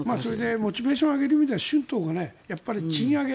モチベーションを上げる意味では春闘がやっぱり賃上げ。